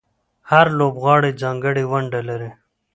هر لوبغاړی ځانګړې ونډه لري.